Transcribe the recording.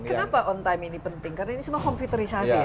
kenapa on time ini penting karena ini semua komputerisasi ya